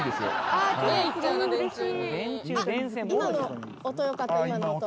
あっ今の音よかった今の音。